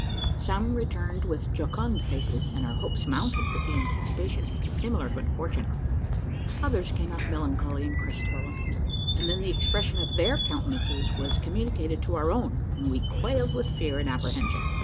Some returned with jocund faces, and our hopes mounted with the anticipation of similar good fortune; others came out melancholy and crest fallen, and then the expression of their countenances was communicated to our own, and we quailed with fear and apprehension.